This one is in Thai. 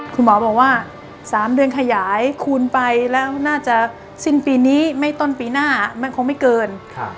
คุณหมอบอกว่า๓เดือนขยายคูณไปแล้วน่าจะสิ้นปีนี้ไม่ต้นปีหน้ามันคงไม่เกิน